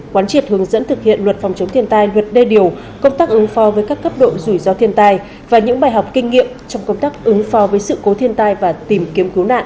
quán triệt hướng dẫn thực hiện luật phòng chống thiên tai luật đê điều công tác ứng phó với các cấp độ rủi ro thiên tai và những bài học kinh nghiệm trong công tác ứng phó với sự cố thiên tai và tìm kiếm cứu nạn